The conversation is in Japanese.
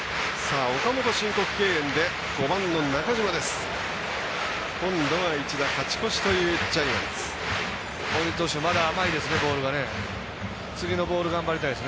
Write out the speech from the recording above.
岡本、申告敬遠で５番の中島です。